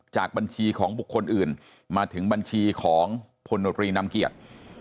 จากบัญชีของบุคคลอื่นมาถึงบัญชีของพลโนตรีนำเกียรติ